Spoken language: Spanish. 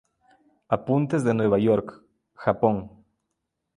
Apuntes de Nueva York", "Japón.